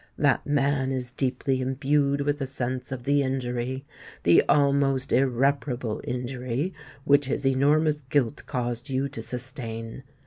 That man is deeply imbued with a sense of the injury—the almost irreparable injury which his enormous guilt caused you to sustain.